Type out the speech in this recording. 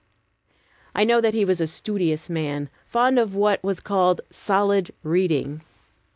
I know that he was a studious man, fond of what was called "solid reading."